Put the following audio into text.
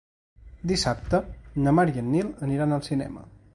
Dissabte na Mar i en Nil aniran al cinema.